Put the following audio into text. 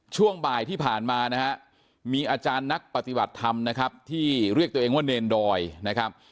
ช่วงบ่ายที่ผ่านมานะฮะมีอาจารย์นักปฏิบัติธรรมนะครับที่เรียกตัวเองว่าเนรดอยนะครับ